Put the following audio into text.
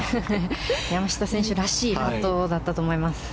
山下選手らしいパットだったと思います。